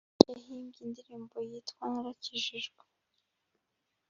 yahimbye indirimbo yitwa narakijijwe